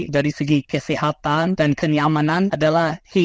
dari segi kesehatan dan kenyamanan adalah